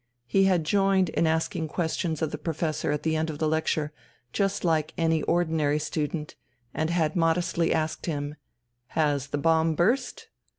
He had joined in asking questions of the professor at the end of the lecture, just like any ordinary student, and had modestly asked him: "Has the bomb burst?"